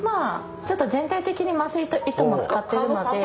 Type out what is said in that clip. ちょっと全体的に麻酔と糸も使っているので。